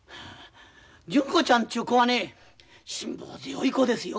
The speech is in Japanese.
純子ちゃんちゅう子はね辛抱強い子ですよ。